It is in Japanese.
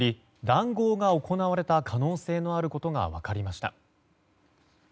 談合が行われた可能性のあることが分かりました。